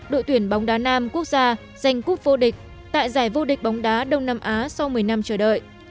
đội tuyển bóng đá nam quốc gia giành cúp vô địch tại giải vô địch bóng đá đông nam á sau một mươi năm chờ đợi